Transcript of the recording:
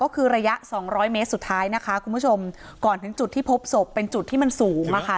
ก็คือระยะสองร้อยเมตรสุดท้ายนะคะคุณผู้ชมก่อนถึงจุดที่พบศพเป็นจุดที่มันสูงอ่ะค่ะ